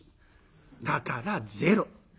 だからゼロ。